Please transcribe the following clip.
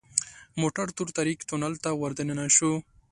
موټر تور تاریک تونل ته وردننه شو .